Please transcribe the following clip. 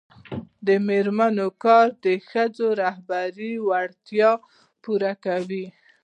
د میرمنو کار د ښځو رهبري وړتیا پیاوړې کوي.